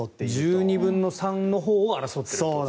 １２分の３のほうを争っていると。